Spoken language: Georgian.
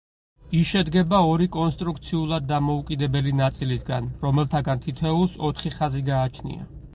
ის შედგება ორი კონსტრუქციულად დამოუკიდებელი ნაწილისაგან, რომელთაგან თითოეულს ოთხი ხაზი გააჩნია.